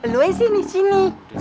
lo yang sini sini